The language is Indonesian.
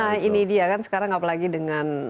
nah ini dia kan sekarang apalagi dengan